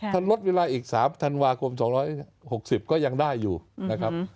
ถ้าลดเวลาอีก๓ธันวาคม๒๖๐ก็ยังได้อยู่นะครับ